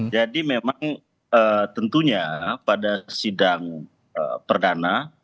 jadi memang tentunya pada sidang perdana